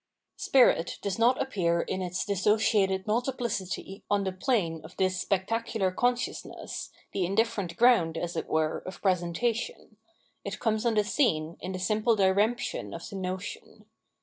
Spirit does not appear in its dissociated multiplicity on the plane of this spectacular consciousness, the in different ground, as it were, of presentation ; it comes on the scene in the simple diremption of the notion.